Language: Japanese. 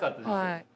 はい。